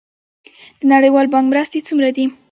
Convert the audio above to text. د نړیوال بانک مرستې څومره دي؟